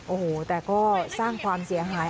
โอ้โหแต่ก็สร้างความเสียหาย